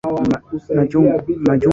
Machungwa ni kali.